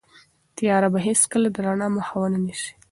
تیاره به هیڅکله د رڼا مخه ونه نیسي.